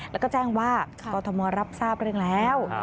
แล้วก็แจ้งว่ากรทมรับทราบเรื่องแล้ว